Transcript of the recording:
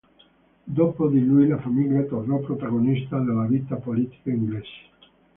Dopo di lui la famiglia tornò protagonista della vita politica inglese.